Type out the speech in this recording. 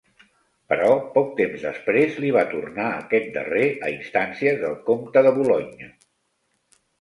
Però, poc temps després, li va tornar aquest darrer a instàncies del comte de Boulogne.